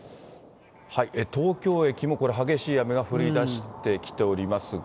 東京駅もこれ、激しい雨が降りだしてきておりますが。